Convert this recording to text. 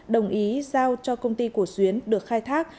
đồng ý giao cho công ty của xuyên được khai thác